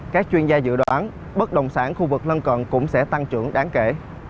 các chuyên gia dự đoán bất đồng sản khu vực lân cận cũng sẽ tăng trưởng đáng kể